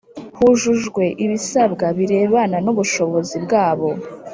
hujujwe ibisabwa birebana n ubushobozi bwabo